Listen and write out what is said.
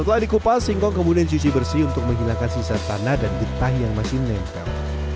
setelah dikupas singkong kemudian dicuci bersih untuk menghilangkan sisa tanah dan getah yang masih nempel